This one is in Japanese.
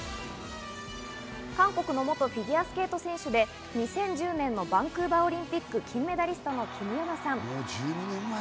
韓国の元フィギュアスケート選手で２０１０年のバンクーバーオリンピック金メダリストのキム・ヨナさん。